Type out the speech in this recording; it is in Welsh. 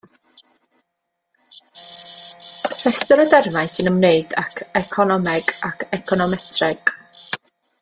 Rhestr o dermau sy'n ymwneud ag economeg ac econometreg.